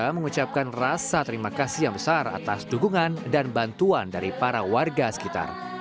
mengucapkan rasa terima kasih yang besar atas dukungan dan bantuan dari para warga sekitar